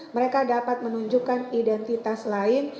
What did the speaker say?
mereka dapat menunjukkan identitas lain